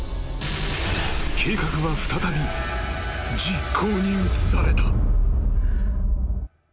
［計画は再び実行に移された］